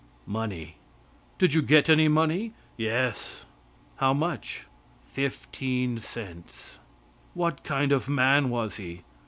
"Money." "Did you get any money?" "Yes." "How much?" "Fifteen cents." "What kind of a man was he?"